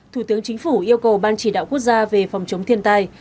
thủ tướng chính phủ yêu cầu ban chỉ đạo quốc gia về phòng chống thiên tai